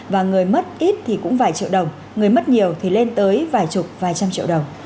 và người mất ít thì cũng vài triệu đồng người mất nhiều thì lên tới vài chục vài trăm triệu đồng